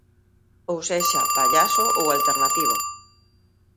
Ou sexa, pallaso ou alternativo!